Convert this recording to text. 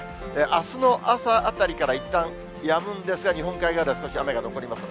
あすの朝あたりからいったん、やむんですが、日本海側では少し雨が残ります。